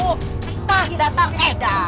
kita datang eda